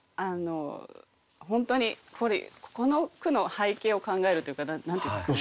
本当にこの句の背景を考えるというか何て言うんですかね。